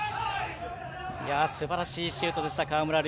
すばらしいシュートでした川村怜。